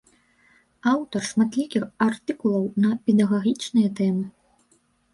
Аўтар шматлікіх артыкулаў на педагагічныя тэмы.